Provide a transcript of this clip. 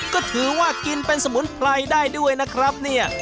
ก็ถือว่ากินเป็นสมุนไพรได้ด้วยนะครับเนี่ย